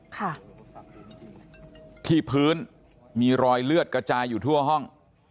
ค่ะที่พื้นมีรอยเลือดกระจายอยู่ทั่วห้อง